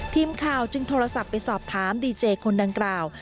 ทีมข่าวจึงโทรศัพท์ไปสอบถามดีเจคนดังกล่าว